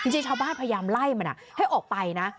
จริงชาวบ้านพยายามไล่มันให้ออกไปนะ